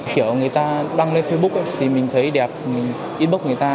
kiểu người ta đăng lên facebook thì mình thấy đẹp mình inbox người ta